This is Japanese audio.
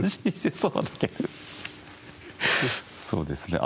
そうですね。